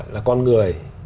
là con người